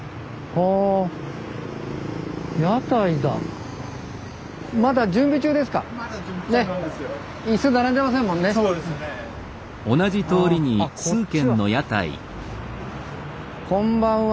あっこんばんは。